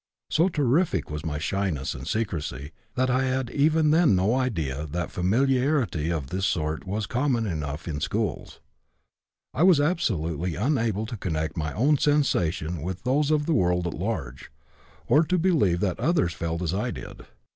So terrific was my shyness and secrecy that I had even then no idea that familiarity of the sort was common enough in schools. I was absolutely unable to connect my own sensations with those of the world at large or to believe that others felt as I did.